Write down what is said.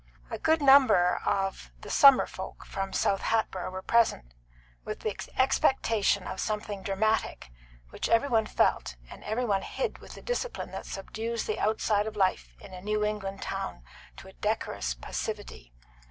A good number of the summer folk from South Hatboro' were present, with the expectation of something dramatic, which every one felt, and every one hid with the discipline that subdues the outside of life in a New England town to a decorous passivity.